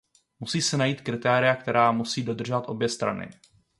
Musí se najít kritéria, která musí dodržovat obě strany.